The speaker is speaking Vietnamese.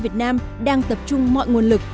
việt nam đang tập trung mọi nguồn lực